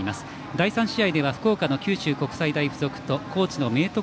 第３試合では福岡の九州国際大付属と高知の明徳